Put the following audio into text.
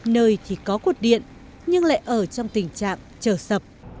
nơi thì có cột điện nhưng lại ở trong tình trạng trở sập